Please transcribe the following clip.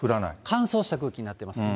乾燥した空気になってます。